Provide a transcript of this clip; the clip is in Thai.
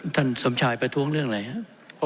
สมชายประท้วงเรื่องอะไรครับ